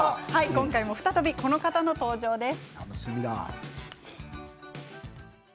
今回も再びこの方の登場です。